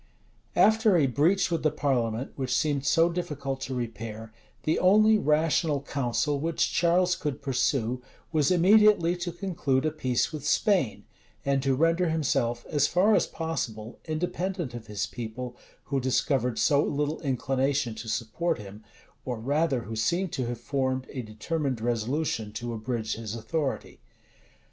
vol. vii p. 300 After a breach with the parliament, which seemed so difficult to repair, the only rational counsel which Charles could pursue, was immediately to conclude a peace with Spain, and to render himself, as far as possible, independent of his people, who discovered so little inclination to support him, or rather who seemed to have formed a determined resolution to abridge his authority.